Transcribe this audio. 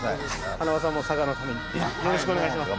はなわさんも佐賀のためによろしくお願いします。